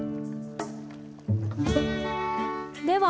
では